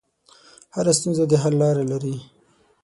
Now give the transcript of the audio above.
هره ستونزه د حل لاره لري.